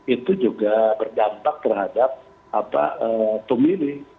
itu juga berdampak terhadap pemilih